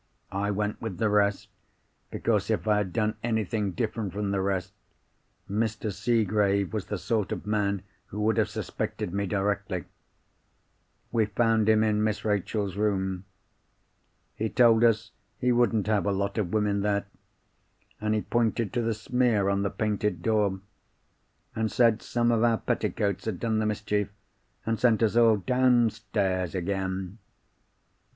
I went with the rest, because if I had done anything different from the rest, Mr. Seegrave was the sort of man who would have suspected me directly. We found him in Miss Rachel's room. He told us he wouldn't have a lot of women there; and he pointed to the smear on the painted door, and said some of our petticoats had done the mischief, and sent us all downstairs again.